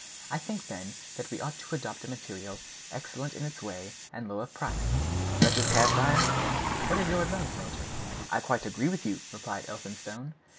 I think, then, that we ought to adopt a material excellent in its way and of low price, such as cast iron. What is your advice, major?" "I quite agree with you," replied Elphinstone.